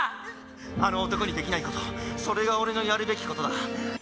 あの男にできないことそれが俺のやるべきことだ。